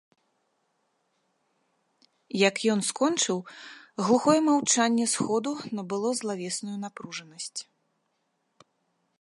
Як ён скончыў, глухое маўчанне сходу набыло злавесную напружанасць.